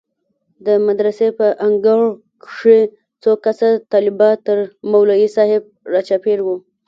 د مدرسې په انګړ کښې څو کسه طلبا تر مولوي صاحب راچاپېر وو.